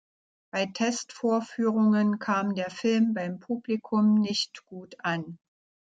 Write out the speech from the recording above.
Bei Testvorführungen kam der Film beim Publikum nicht gut an.